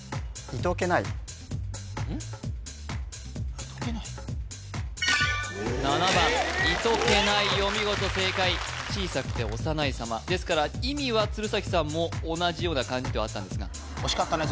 はい７番いとけないお見事正解小さくて幼いさまですから意味は鶴崎さんも同じような感じではあったんですが惜しかったね